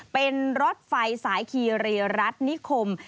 เป็นรถไฟสายคีรีรัฐนิคม